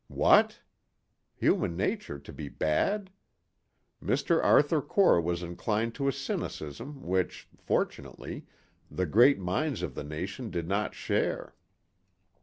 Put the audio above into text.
What! Human nature to be bad! Mr. Arthur Core was inclined to a cynicism which, fortunately, the great minds of the nation did not share.